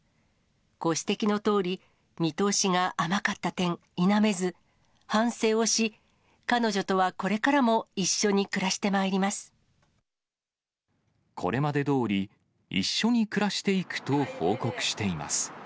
ご指摘のとおり、見通しが甘かった点、否めず、反省をし、彼女とはこれからも一これまでどおり、一緒に暮らしていくと報告しています。